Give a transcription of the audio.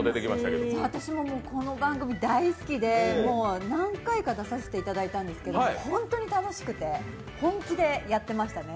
私もこの番組大好きで、何回か出させていただいたんですけど本当に楽しくて本気でやってましたね。